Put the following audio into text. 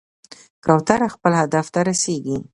کوتره خپل هدف ته رسېږي.